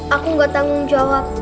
aku gak tanggung jawab